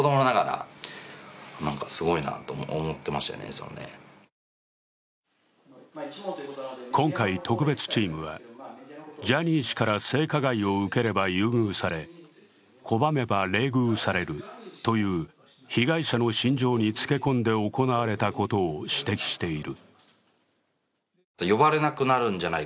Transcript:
その際、こんなことが今回、特別チームはジャニー氏から性加害を受ければ優遇され拒めば冷遇されるという被害者の心情につけ込んで行われた問題を指摘している。